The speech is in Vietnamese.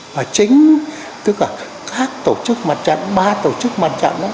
và chính tức là các tổ chức mặt trận ba tổ chức mặt trận đó